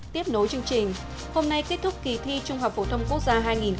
tiếp nối chương trình hôm nay kết thúc kỳ thi trung học phổ thông quốc gia hai nghìn một mươi chín